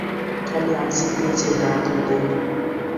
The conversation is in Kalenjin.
Kaine siteche inatut eng yuu?